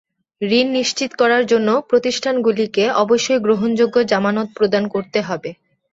ঋণ নিশ্চিত করার জন্য প্রতিষ্ঠানগুলিকে অবশ্যই গ্রহণযোগ্য জামানত প্রদান করতে হবে।